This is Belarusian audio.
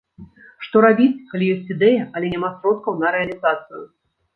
Што рабіць, калі ёсць ідэя, але няма сродкаў на рэалізацыю?